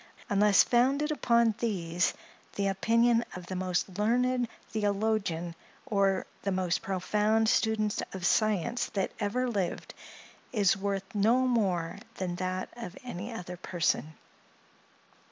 Unless founded upon these, the opinion of the most learned theologian or the most profound student of science that ever lived, is worth no more than that of any other person.